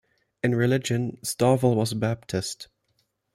In religion, Stovel was a Baptist.